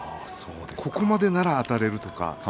ここまでならあたれるとか。